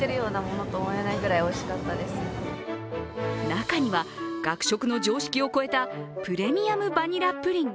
中には学食の常識を超えたプレミアムバニラプリン。